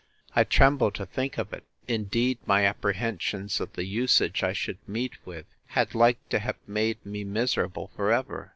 —I tremble to think of it! Indeed my apprehensions of the usage I should meet with, had like to have made me miserable for ever!